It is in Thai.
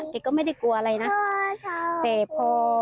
แกก็ไม่ได้กลัวอะไรนะแต่พอ